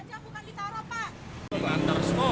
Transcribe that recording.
kita aja bukan ditaro pak